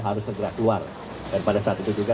harus segera keluar dan pada saat itu juga